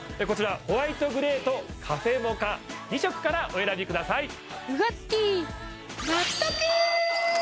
こちらホワイトグレーとカフェモカ２色からお選びください